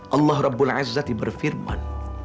allah rabbul azzati berfirman